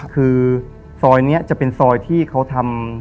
คือซอยนี้จะเป็นซอยที่เขาทำ